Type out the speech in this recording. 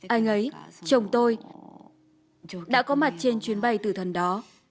ai ấy chồng tôi đã có mặt trên chuyến bay từ thần đó